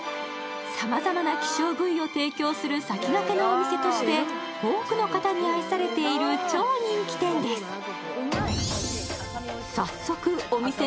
さまざまな希少部位を提供する先駆けのお店として、多くの方に愛されている超人気店です。